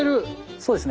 そうですね。